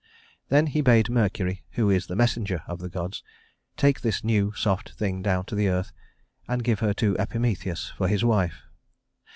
" Then he bade Mercury, who is the messenger of the gods, take this new soft thing down to the earth and give her to Epimetheus for his wife.